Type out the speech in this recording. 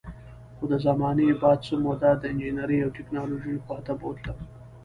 خو د زمانې باد څه موده د انجینرۍ او ټیکنالوژۍ خوا ته بوتلم